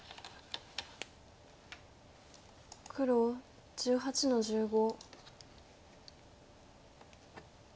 黒１８の十五。